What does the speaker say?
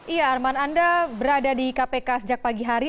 iya arman anda berada di kpk sejak pagi hari